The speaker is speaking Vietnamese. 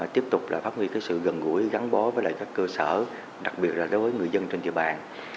tiếp tục là phát huy sự gần gũi gắn bó với lại các cơ sở đặc biệt là đối với người dân trên địa bàn